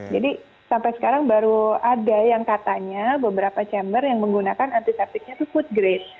jadi sampai sekarang baru ada yang katanya beberapa chamber yang menggunakan antiseptiknya tuh food grade